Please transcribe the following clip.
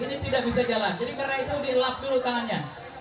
ini tidak bisa jalan jadi karena itu dielap dulu tangannya